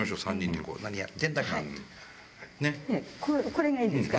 これがいいですか？